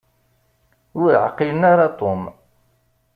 Ur ɛqilen ara Tom.